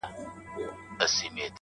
تا څه کوئ اختر د بې اخترو په وطن کي؟